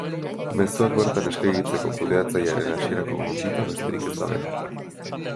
Mezuak bertan eskegitzeko kudeatzailearen hasierako gonbita besterik ez da behar.